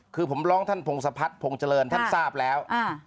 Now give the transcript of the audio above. คือผมล้อมท่านภงษภัฏภงเจริญท่านทราบแล้วอ่า